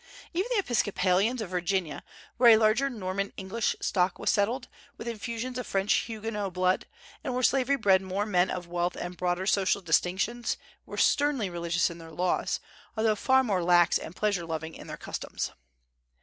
Even the Episcopalians of Virginia, where a larger Norman English stock was settled, with infusions of French Huguenot blood, and where slavery bred more men of wealth and broader social distinctions, were sternly religious in their laws, although far more lax and pleasure loving in their customs.